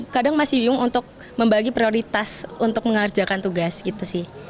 kadang masih bingung untuk membagi prioritas untuk mengerjakan tugas gitu sih